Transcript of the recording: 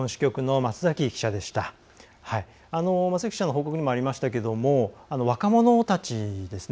松崎記者の報告にもありましたが若者たちですね。